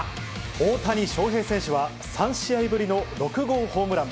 大谷翔平選手は３試合ぶりの６号ホームラン。